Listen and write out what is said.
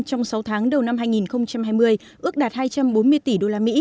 trong sáu tháng đầu năm hai nghìn hai mươi ước đạt hai trăm bốn mươi tỷ usd